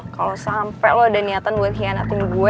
kalau sampai lo ada niatan buat hianatin gue